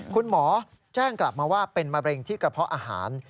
คุณหมอแจ้งกลับมาว่าเป็นมะเร็งที่กระเพาะอาหาร